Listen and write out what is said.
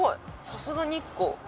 さすが日光！